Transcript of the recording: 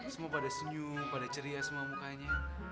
semua pada senyum pada ceria semua mukanya